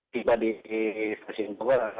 tiba di stasiun bogor